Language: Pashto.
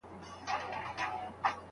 د قهر کاڼی پء ملا باندې راوښويدی